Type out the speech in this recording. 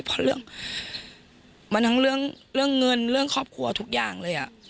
เพราะเรื่องมันทั้งเรื่องเงินเรื่องครอบครัวทุกอย่างเลย